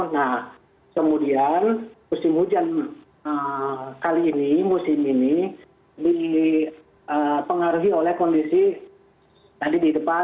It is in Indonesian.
nah kemudian musim hujan kali ini musim ini dipengaruhi oleh kondisi tadi di depan